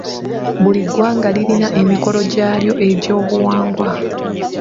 Buli ggwanga lirina emikolo gyalyo egy'obuwangwa.